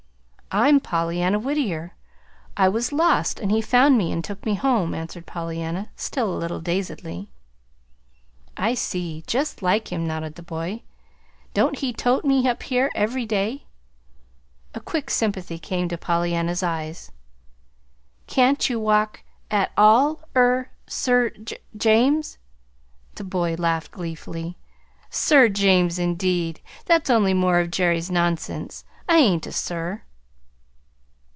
"I'm Pollyanna Whittier. I was lost and he found me and took me home," answered Pollyanna, still a little dazedly. "I see. Just like him," nodded the boy. "Don't he tote me up here every day?" A quick sympathy came to Pollyanna's eyes. "Can't you walk at all er Sir J James?" The boy laughed gleefully. "'Sir James,' indeed! That's only more of Jerry's nonsense. I ain't a 'Sir.'"